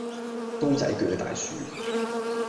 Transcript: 刀仔据大樹